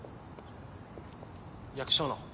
役所の。